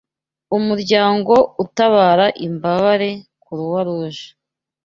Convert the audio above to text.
Umuryango utabara imbabare kuruwa ruje